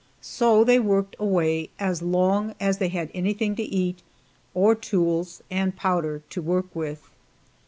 So they worked away as long as they had anything to eat, or tools and powder to work with.